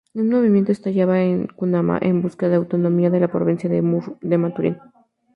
Un movimiento estallaba en Cumaná en busca de autonomía de la provincia de Maturín.